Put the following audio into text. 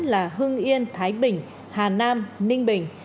là hưng yên thái bình hà nam ninh bình